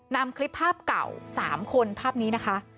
นำคลิปภาพเก่า๓คนภาพนี้นะคะ